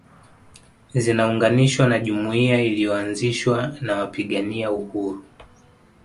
Zinaunganishwa na jumuiya iliyoanzishwa na wapigania uhuru